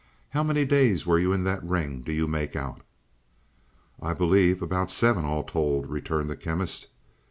How many days were you in that ring do you make out?" "I believe about seven, all told," returned the Chemist.